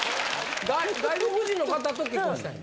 外国人の方と結婚したいの？